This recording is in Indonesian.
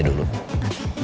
aku duduk aja dulu